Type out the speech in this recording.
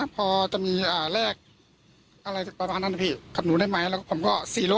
พอจะมีอ่าแลกอะไรจากประมาณนั้นนะพี่กับหนูได้ไหมแล้วก็ผมก็